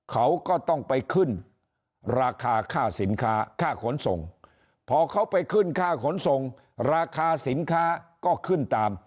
เขาก็ต้องไปขึ้นราคาค่าสินค้าค่าขนส่งพอเขาไปขึ้นค่าขนส่งราคาสินค้าก็ขึ้นตาม